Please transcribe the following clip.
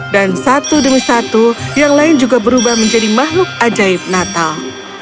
dan satu demi satu yang lain juga berubah menjadi makhluk ajaib natal